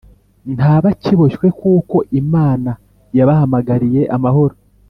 Ntaba akiboshywe kuko imana yabahamagariye amahoro